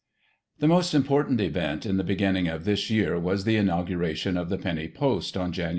The most important event in the beginning of this year was the inauguration of the Penny Post on Jan.